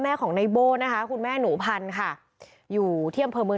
แม่ของนายโบนะคะคุณแม่หนูพันค่ะอยู่เที่ยมเผร์มืง